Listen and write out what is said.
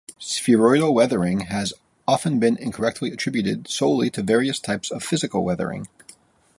Spheroidal weathering has often been incorrectly attributed solely to various types of physical weathering.